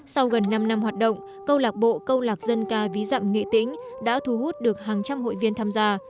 sau gần năm năm hoạt động câu lạc bộ câu lạc dân ca ví dạm nghệ tĩnh đã thu hút được hàng trăm hội viên tham gia